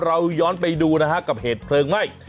เราย้อนไปดูนะฮะกับเหตุเพลิงไหม้